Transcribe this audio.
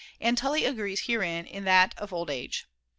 And Tully agrees herein in that Of Old Age.